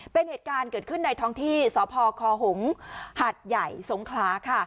เป็นเหตุการณ์เกิดขึ้นในท้องที่สพคหงษ์หัดใหญ่สงขลาค่ะ